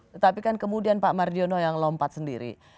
tetapi kan kemudian pak mardiono yang lompat sendiri